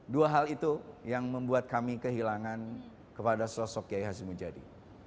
dua hal itu yang membuat kami kehilangan kepada sosok kiai haji mujadi